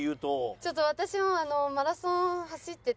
ちょっと私もあのマラソン走ってて。